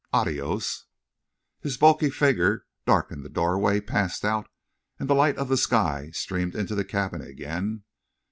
Adios." His bulky figure darkened the doorway, passed out, and the light of the sky streamed into the cabin again.